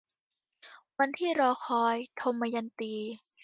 วันที่รอคอย - ทมยันตี